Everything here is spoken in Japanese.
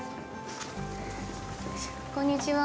こんにちは。